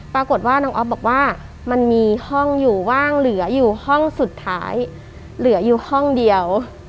ปรากฏว่าน้องอ๊อฟบอกว่ามันมีห้องอยู่ว่างเหลืออยู่ห้องสุดท้ายเหลืออยู่ห้องเดียว